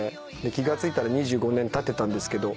気が付いたら２５年たってたんですけど。